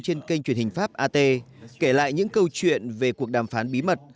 trên kênh truyền hình pháp at kể lại những câu chuyện về cuộc đàm phán bí mật